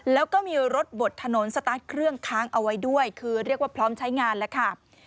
แล้วก็มีรถบดถนนสตาร์ทเครื่องค้างเอาไว้ด้วยคือเรียกว่าพร้อมใช้งานแล้วค่ะ